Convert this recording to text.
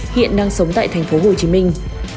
hiện đang sống tại thành phố hồ chí minh